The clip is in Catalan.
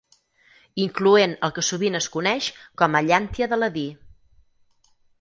Incloent el que sovint es coneix com a llàntia d'Aladí.